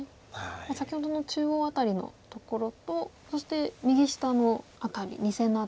先ほどの中央辺りのところとそして右下の辺り２線の辺り。